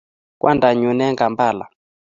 kwanda nyun eng Kampala.